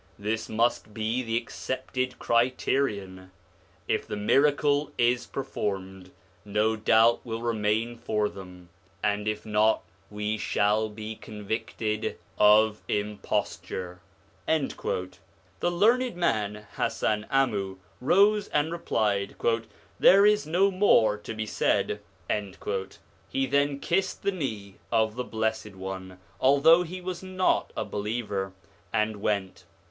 This must be the accepted criterion : If the miracle is performed, no doubt will remain for them ; and if not, we shall be convicted of imposture.' The learned man, Hasan Amu, rose and replied, ' There is no more to be said'; he then kissed the knee of the Blessed One although he was not a believer, and went.